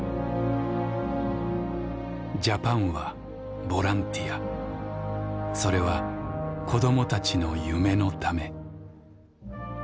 「ジャパンはボランティアそれは子どもたちの『夢』のため」。